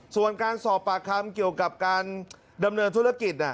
ส่วนการสอบปากคำเกี่ยวกับการดำเนินธุรกิจ